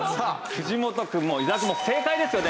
藤本くんも伊沢くんも正解ですよね